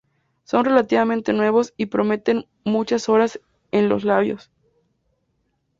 Son relativamente nuevos y prometen muchas horas en los labios.